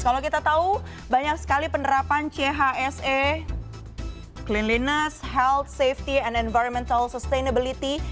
kalau kita tahu banyak sekali penerapan chse cleanliness health safety and environmental sustainability